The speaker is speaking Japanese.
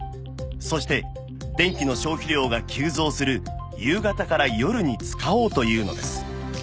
そして電気の消費量が急増する夕方から夜に使おうというのです